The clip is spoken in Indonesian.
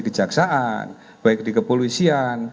kejaksaan baik di kepolisian